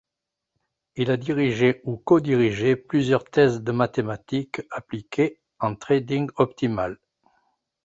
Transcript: Il a dirigé ou co-dirigé plusieurs thèses de mathématiques appliquées en trading optimal.